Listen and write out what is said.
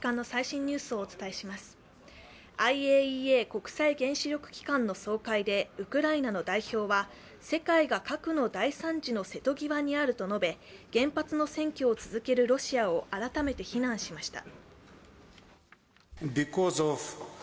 ＩＡＥＡ＝国際原子力機関の総会でウクライナの代表は、世界が核の大惨事の瀬戸際にあると述べ、原発の占拠を続けるロシアを改めて非難しました。